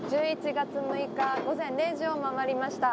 １１月６日午前０時を回りました。